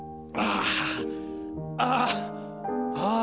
ああ。